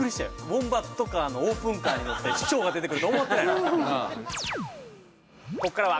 ウォンバットカーのオープンカーに乗って市長が出てくると思ってないやろこっからは